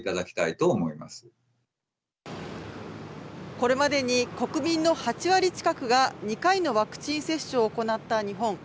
これまでに国民の８割近くが２回のワクチン接種を行った日本。